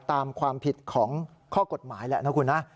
ตามความผิดของข้อกฎหมายแหละนะคุณนะ